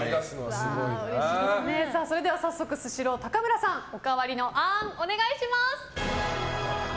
それでは早速スシロー、高村さんおかわりのあーん、お願いします。